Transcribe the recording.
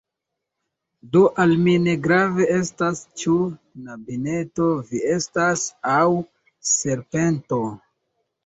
Do al mi ne grave estas ĉu knabineto vi estas aŭ serpento!